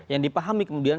yang dipahami kemudian